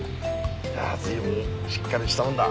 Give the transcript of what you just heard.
ずいぶんしっかりしたもんだ。